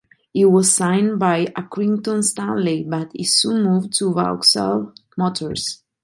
He was signed by Accrington Stanley, but he soon moved to Vauxhall Motors.